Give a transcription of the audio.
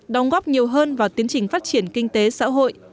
đóng góp nhiều hơn vào tiến trình phát triển kinh tế xã hội